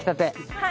はい！